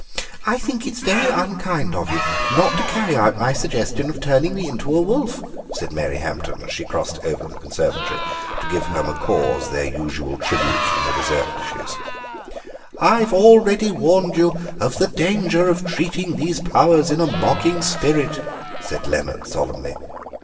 "I think it very unkind of you not to carry out my suggestion of turning me into a wolf," said Mary Hampton, as she crossed over to the conservatory to give her macaws their usual tribute from the dessert dishes. "I have already warned you of the danger of treating these powers in a mocking spirit," said Leonard solemnly.